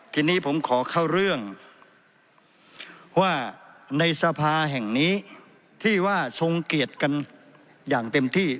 ทีนี้ผมขอเข้าเรื่องว่าในสภาแห่งนี้ที่ว่าทรงเกียรติกันอย่างเต็มที่